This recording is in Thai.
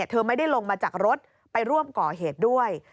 เธอไม่ได้ลงมาจากรถไปร่วมก่อเหตุด้วย